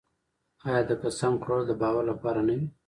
آیا د قسم خوړل د باور لپاره نه وي؟